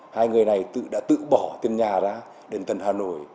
hai người này tự đã tự bỏ tiền nhà ra đến tầng hà nội